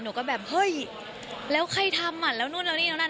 หนูก็แบบเฮ้ยแล้วใครทำอ่ะแล้วนู่นแล้วนี่แล้วนั่น